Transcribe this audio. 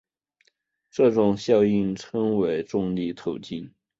这种效应称为重力透镜。